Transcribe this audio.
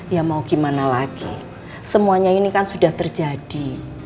ya mau gimana lagi semuanya ini kan sudah terjadi